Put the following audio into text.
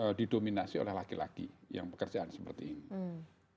atau didominasi oleh laki laki yang pekerjaan seperti ini